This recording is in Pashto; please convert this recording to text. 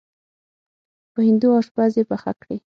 په هندو اشپز یې پخه کړې.